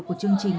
của chương trình